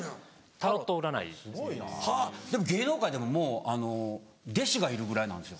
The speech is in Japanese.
でも芸能界でももう弟子がいるぐらいなんですよ。